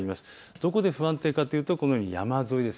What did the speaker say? どこで不安定かというとこのように山沿いです。